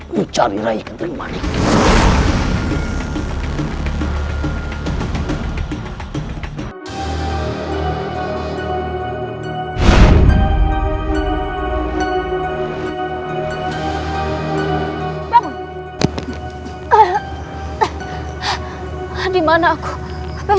mencari rai ketengah skating